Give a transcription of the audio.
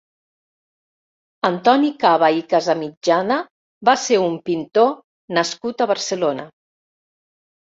Antoni Caba i Casamitjana va ser un pintor nascut a Barcelona.